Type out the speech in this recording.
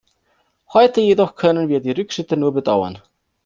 Heute jedoch können wir die Rückschritte nur bedauern.